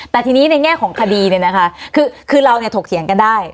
แต่ทีนี้ในแง่ของคดีเนี่ยนะคะคือเราเนี่ยถกเถียงกันได้